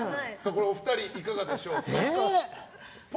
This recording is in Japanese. お二人、いかがでしょうか？